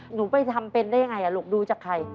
หนูไปทำเป็นได้ยังไงลูกดูจากใคร